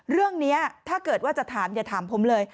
เรื่องนี้ถ้าเกิดว่าจะถามอย่าถามผมเลย